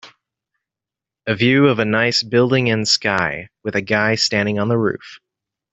A view of a nice building and sky with a guy standing on the roof.